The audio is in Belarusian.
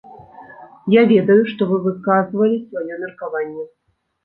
Я ведаю, што вы выказвалі сваё меркаванне.